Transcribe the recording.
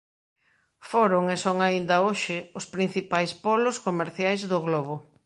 Foron e son aínda hoxe os principais polos comerciais do globo.